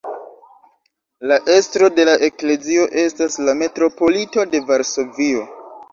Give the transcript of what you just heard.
La estro de la eklezio estas la metropolito de Varsovio.